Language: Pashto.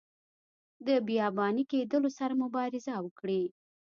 د بیاباني کیدلو سره مبارزه وکړي.